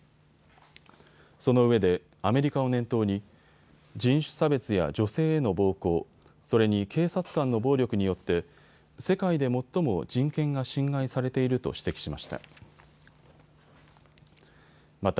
そのうえでアメリカを念頭に人種差別や女性への暴行、それに警察官の暴力によって世界で最も人権が侵害されていると指摘しました。